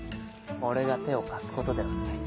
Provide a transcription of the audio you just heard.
俺が手を貸すことではない。